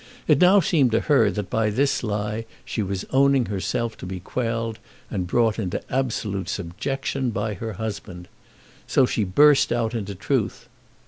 It now seemed to her that by this lie she was owning herself to be quelled and brought into absolute subjection by her husband. So she burst out into truth.